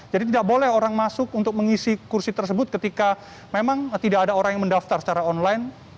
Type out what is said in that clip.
jadi tidak boleh orang masuk untuk mengisi kursi tersebut ketika memang tidak ada orang yang mendaftar secara online